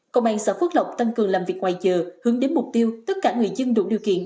công an xã phước lộc tăng cường làm việc ngoài giờ hướng đến mục tiêu tất cả người dân đủ điều kiện